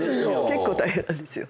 結構大変なんですよ。